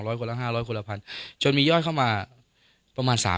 คนละห้าร้อยคนละพันจนมียอดเข้ามาประมาณสาม